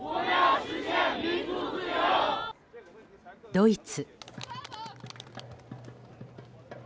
ドイツ。